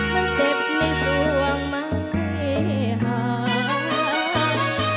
มันเจ็บในส่วงมาให้ห่าง